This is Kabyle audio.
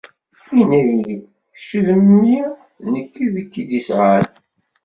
Inna-yi-d:Kečč d mmi, d nekk i k-id-isɛan.